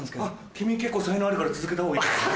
君結構才能あるから続けたほうがいいと思います。